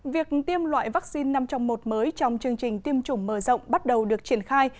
việc tiêm loại vaccine năm trong một mới trong chương trình tiêm chủng mở rộng bắt đầu được triển khai